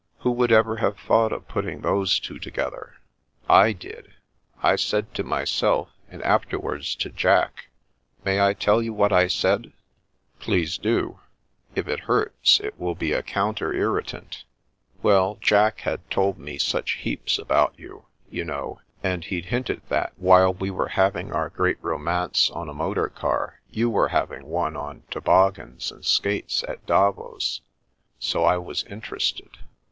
" Who would ever have thought of putting those two together ?"" I did. I said to myself and afterwards to Jack may I tell you what I said ?" a it 8 The Princess Passes " Please da If it hurts, it will be a counter irri tant." " Well, Jack had told me such heaps about you, you know, and he'd hinted that, while we were hav ing our great romance on a motor car, you were hav ing one on toboggans and skates at Davos, so I was interested.